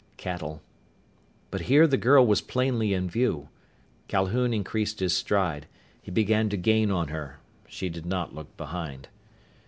Cattle. But here the girl was plainly in view. Calhoun increased his stride. He began to gain on her. She did not look behind.